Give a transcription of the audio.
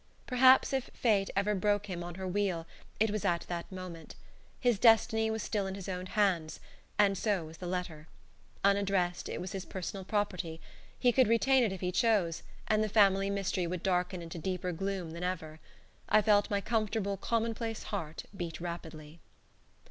Perhaps if Fate ever broke him on her wheel it was at that moment. His destiny was still in his own hands, and so was the letter. Unaddressed, it was his personal property. He could retain it if he chose, and the family mystery would darken into deeper gloom than ever. I felt my comfortable, commonplace heart beat rapidly.